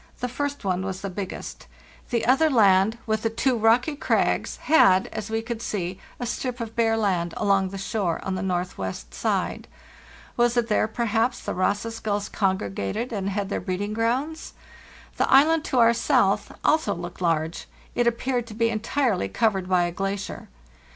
The first one was the biggest. The other land, foto) 344 FARTHEST NORTH with the two rocky crags, had, as we could see, a strip of bare land along the shore on the northwest side. Was it there, perhaps, the Ross's gulls congregated and had their breeding grounds? The island to our south also looked large; it appeared to be entirely covered by a elacier.